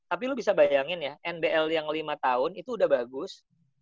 tapi lu bisa bayangin ya nbl yang lima tahun itu udah bagus